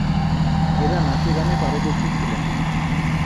এরা নাচে-গানে পারদর্শী ছিলেন।